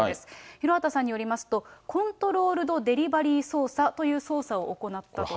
廣畑さんによりますと、コントロールド・デリバリー捜査という捜査を行ったと思うと。